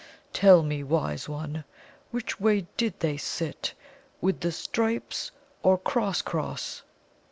Tell me, Wise One, which way did they sit with the stripes, or cross cross?"